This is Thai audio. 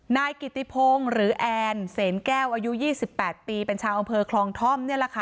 นายกิทิพงหรืออานเสนแก้วอายุ๒๘ปีเป็นชาวองค์เทิร์คลองท่อม